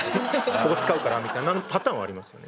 ここ使うからみたいなパターンはありますよね。